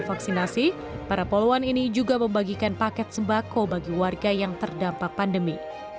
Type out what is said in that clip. vaksinasi para poluan ini juga membagikan paket sembako bagi warga yang terdampak pandemi